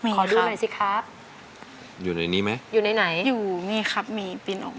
ขอดูหน่อยสิครับอยู่ในนี้ไหมอยู่ในไหนอยู่นี่ครับมีปีนออกมา